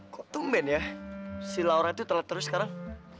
kok tumben ya si laura itu telat terus sekarang